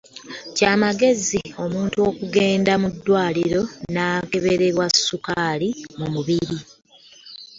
Kya magezi omuntu okugendanga mu ddwaliro n’akeberebwa sukaali mu mubiri.